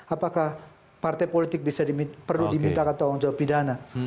apakah partai politik perlu diminta tawang jawab pidana